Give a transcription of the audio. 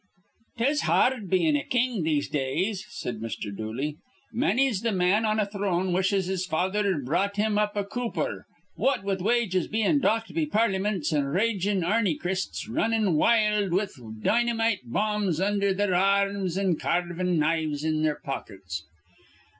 "'Tis ha ard bein' a king these days," said Mr. Dooley. "Manny's th' man on a throne wishes his father'd brought him up a cooper, what with wages bein' docked be parlymints an' ragin' arnychists r runnin' wild with dinnymite bombs undher their ar rms an' carvin' knives in their pockets.